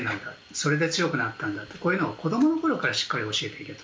それで強くなったんだって子どもの頃からしっかり教えていけと。